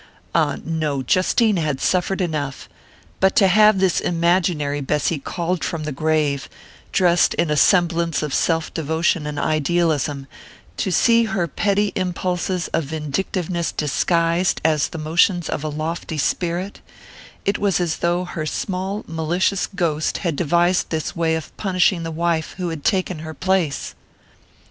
Ah, no, Justine had suffered enough but to have this imaginary Bessy called from the grave, dressed in a semblance of self devotion and idealism, to see her petty impulses of vindictiveness disguised as the motions of a lofty spirit it was as though her small malicious ghost had devised this way of punishing the wife who had taken her place!